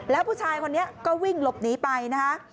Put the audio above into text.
แล้วผู้ชายคนนี้ก็วิ่งหลบหนีไปนะคะ